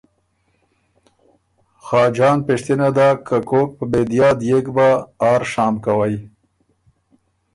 خاجان پِشتِنه داک که کوک په بېدیا ديېک بۀ آر شام کوئ۔